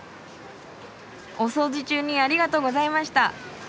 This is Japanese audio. お掃除中にありがとうございました。